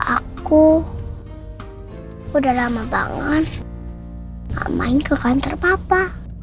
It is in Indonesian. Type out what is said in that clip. aku udah lama banget gak main ke kantor papa